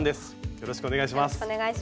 よろしくお願いします。